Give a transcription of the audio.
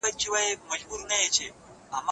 دا نوی ډرون د ویډیو اخیستلو لپاره ډېرې وزرې لري.